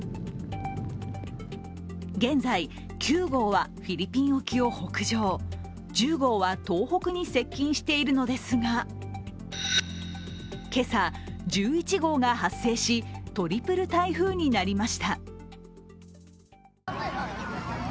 現在、９号はフィリピン沖を北上、１０号は東北に接近しているのですが今朝、１１号が発生し、トリプル台風になりました。